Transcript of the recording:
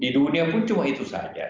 di dunia pun cuma itu saja